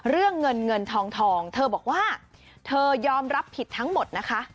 เรื่องเงินเงินทองเธอบอกว่าเธอยอมรับผิดทั้งหมดนะคะ